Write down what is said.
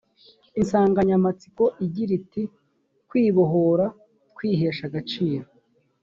insanganyamatsiko igira iti kwibohora twihesha agaciro